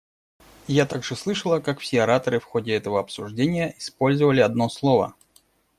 Я также слышала, как все ораторы в ходе этого обсуждения использовали одно слово.